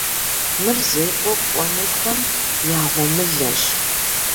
Мыр зекӏуэ кӏуэнухэм я гъуэмылэщ.